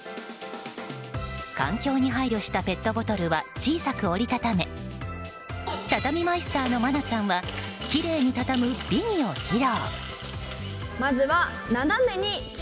環境に配慮したペットボトルは小さく折り畳めたたみマイスターの愛菜さんはきれいに畳む美技を披露。